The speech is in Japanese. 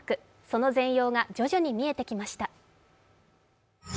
その全容が徐々に見えてきました。